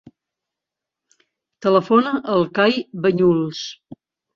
Telefona al Kai Bañuls.